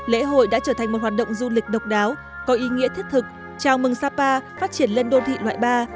lễ hội đã trở thành một hoạt động du lịch độc đáo có ý nghĩa thiết thực chào mừng sapa phát triển lên đô thị loại ba